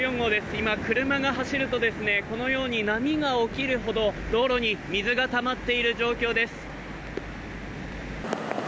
今、車が走ると波が起きるほど道路に水がたまっている状況です。